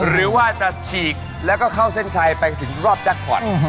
หรือว่าจะฉีกแล้วก็เข้าเส้นชัยไปถึงรอบแจ็คพอร์ต